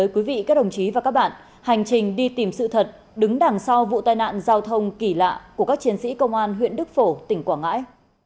các đồng chí và các bạn hành trình đi tìm sự thật đứng đằng sau vụ tai nạn giao thông kỳ lạ của các chiến sĩ công an huyện đức phổ tỉnh quảng ngãi